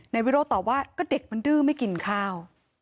วิโรธตอบว่าก็เด็กมันดื้อไม่กินข้าว